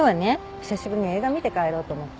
久しぶりに映画見て帰ろうと思って。